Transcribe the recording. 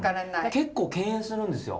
結構敬遠するんですよ